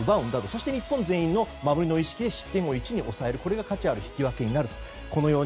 そして日本全員の守りの意識で失点を１に抑えるこれが価値のある引き分けになると。